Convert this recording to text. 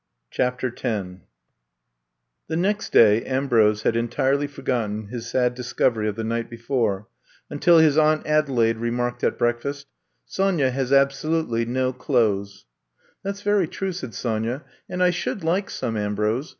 CHAPTER X THE next day Ambrose had entirely forgotten his sad discovery of the night before until his Aunt Adelaide re marked at breakfast : Sonya has absolutely no clothes/' That 's very true," said Sonya, and I should like some, Ambrose.